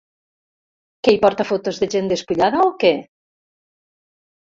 Que hi porta fotos de gent despullada o què?